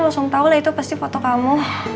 langsung tahu lah itu pasti foto kamu